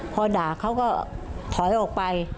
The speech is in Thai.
พอด่าเขาก็ถอยออกไป